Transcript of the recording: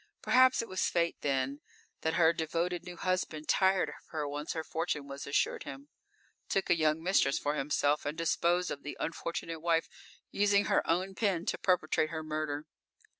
"Perhaps it was fate then, that her devoted new husband tired of her once her fortune was assured him, took a young mistress for himself, and disposed of the unfortunate wife, using her own pin to perpetrate her murder.